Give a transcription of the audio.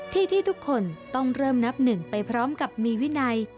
ที่ที่ทุกคนต้องเริ่มนับหนึ่งไปพร้อมกับมีวินัย